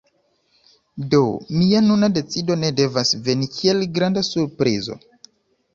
Do, mia nuna decido ne devas veni kiel granda surprizo.